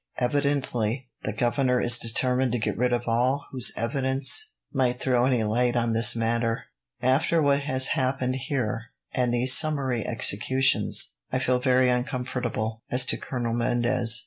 Evidently, the governor is determined to get rid of all whose evidence might throw any light on this matter. After what has happened here, and these summary executions, I feel very uncomfortable as to Colonel Mendez.